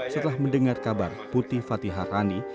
setelah mendengar kabar putih fatih harani